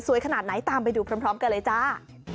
ขนาดไหนตามไปดูพร้อมกันเลยจ้า